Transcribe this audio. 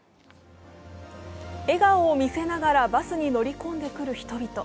笑顔を見せながらバスに乗り込んでくる人々。